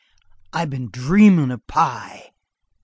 I've been dreamin' of pie!"